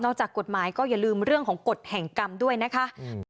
จากกฎหมายก็อย่าลืมเรื่องของกฎแห่งกรรมด้วยนะคะ